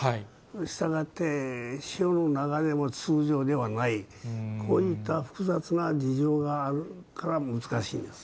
したがって、潮の流れも通常ではない、こういった複雑な事情があるから難しいんです。